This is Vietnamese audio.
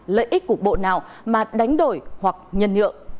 lợi ích cục bộ nào mà đánh đổi hoặc nhân nhượng